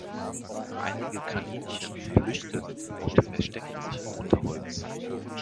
Einige Kaninchen flüchten und verstecken sich im Unterholz.